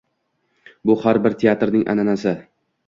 bu har bir teatrning an’anasi.